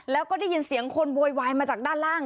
แล้วก็ได้ยินเสียงคนโวยวายมาจากด้านล่าง